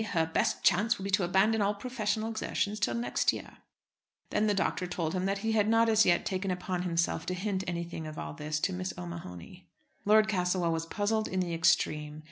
Her best chance will be to abandon all professional exertions till next year." Then the doctor told him that he had not as yet taken upon himself to hint anything of all this to Miss O'Mahony. Lord Castlewell was puzzled in the extreme.